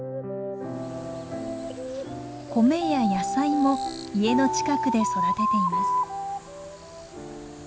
米や野菜も家の近くで育てています。